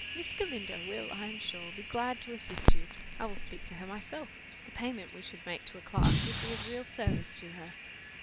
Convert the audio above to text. Miss Galindo will, I am sure, be glad to assist you. I will speak to her myself. The payment we should make to a clerk would be of real service to her!"